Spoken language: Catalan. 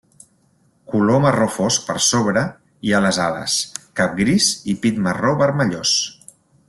Color marró fosc per sobre i a les ales, cap gris i pit marró vermellós.